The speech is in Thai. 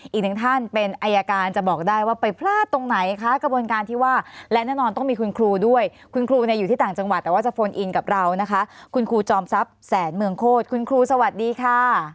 อีกหนึ่งท่านเป็นอายการจะบอกได้ว่าไปพลาดตรงไหนคะกระบวนการที่ว่าและแน่นอนต้องมีคุณครูด้วยคุณครูเนี่ยอยู่ที่ต่างจังหวัดแต่ว่าจะโฟนอินกับเรานะคะคุณครูจอมทรัพย์แสนเมืองโคตรคุณครูสวัสดีค่ะ